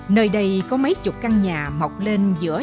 nơi đây có mấy chục căn nhà mọc lên giữa những đất mũi